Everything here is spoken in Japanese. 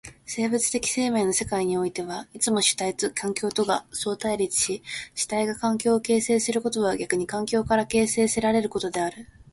生物的生命の世界においてはいつも主体と環境とが相対立し、主体が環境を形成することは逆に環境から形成せられることである。